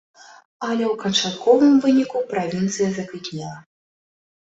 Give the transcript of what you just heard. Але ў канчатковым выніку правінцыя заквітнела.